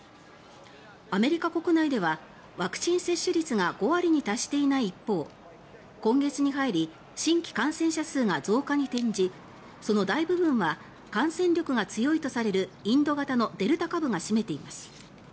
アメリカ国内ではワクチン接種率が５割に達していない一方今月に入り新規感染者数が増加に転じその大部分は感染力が強いとされるインド型のデルタ株が占めています。